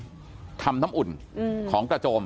อยู่ดีมาตายแบบเปลือยคาห้องน้ำได้ยังไง